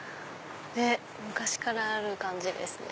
昔からある感じですね。